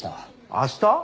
明日！？